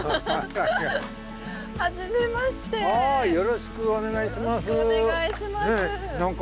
よろしくお願いします。